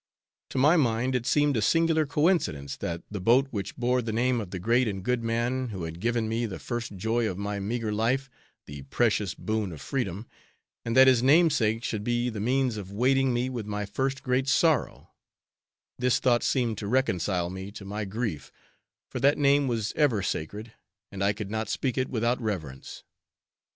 To my mind it seemed a singular coincidence that the boat which bore the name of the great and good man, who had given me the first joy of my meagre life the precious boon of freedom and that his namesake should be the means of weighting me with my first great sorrow; this thought seemed to reconcile me to my grief, for that name was ever sacred, and I could not speak it without reverence.